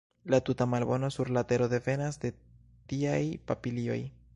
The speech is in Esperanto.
La tuta malbono sur la tero devenas de tiaj papilioj!